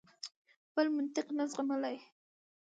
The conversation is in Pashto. بل منطق نه زغملای.